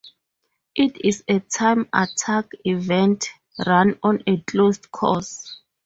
It is a time attack event run on a closed course.